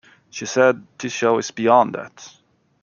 She said, This show is beyond that.